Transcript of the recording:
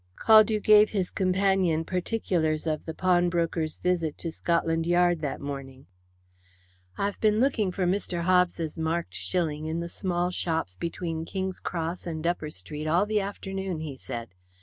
Caldew gave his companion particulars of the pawnbroker's visit to Scotland Yard that morning. "I have been looking for Mr. Hobbs' marked shilling in the small shops between King's Cross and Upper Street all the afternoon," he said.